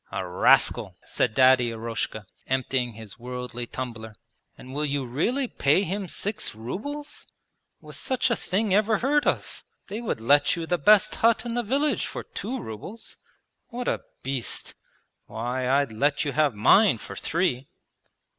'A rascal!' said Daddy Eroshka, emptying his 'worldly' tumbler. 'And will you really pay him six rubles? Was such a thing ever heard of? They would let you the best hut in the village for two rubles. What a beast! Why, I'd let you have mine for three!'